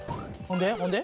ほんで？